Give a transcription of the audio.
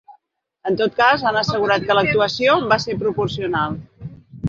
En tot cas, han assegurat que l’actuació va ser proporcional.